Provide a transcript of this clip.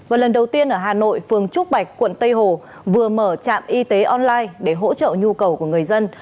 và lần đầu tiên ở hà nội phường trúc bạch quận tây hồ vừa mở trạm y tế online để hỗ trợ nhu cầu của người dân